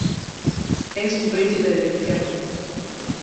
Es un príncipe del Infierno.